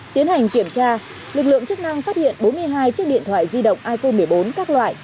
tiến hành kiểm tra lực lượng chức năng phát hiện bốn mươi hai chiếc điện thoại di động iphone một mươi bốn các loại